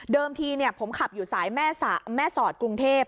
เดิมทีเนี่ยผมขับอยู่สายแม่สอดกรุงเทพฯ